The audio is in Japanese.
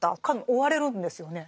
追われるんですよね。